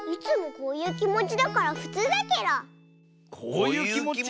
こういうきもち？